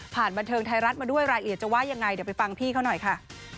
บันเทิงไทยรัฐมาด้วยรายละเอียดจะว่ายังไงเดี๋ยวไปฟังพี่เขาหน่อยค่ะ